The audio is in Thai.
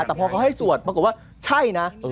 แต่พอเขาให้สวดปรากฏว่าใช่นะ